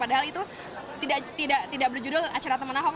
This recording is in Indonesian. padahal itu tidak berjudul acara teman ahok